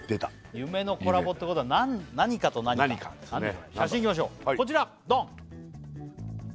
夢のコラボってことは何かと何か写真いきましょうこちらドン！